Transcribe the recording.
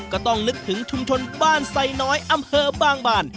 ก็ต้องนึกถึงชุมชนบ้านไซน้อยอำเภอบางบาน